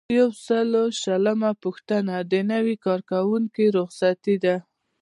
یو سل او شلمه پوښتنه د نوي کارکوونکي رخصتي ده.